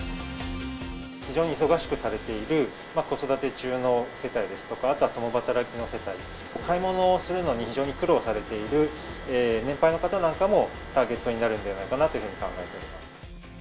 非常に忙しくされている子育て中の世帯ですとか、あとは共働きの世帯、買い物をするのに非常に苦労されている年配の方なんかもターゲットになるんではないかなと考えております。